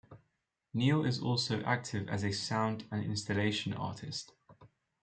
Neill is also active as a sound and installation artist.